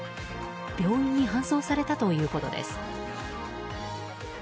病院に搬送されたということです。